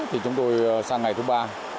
thì chúng tôi sang ngày thứ ba